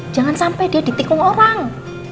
jangan sampe dia ditikung orang